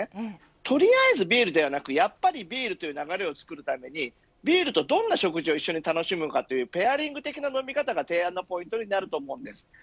取りあえずビールではなくやっぱりビールという流れを作ったりビールとどんな食事を楽しむかというペアリングという飲み方が重要になると思います。